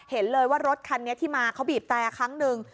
เห็นเลยว่ารถคันนี้ที่มาเขาบีบแต่ครั้งหนึ่ง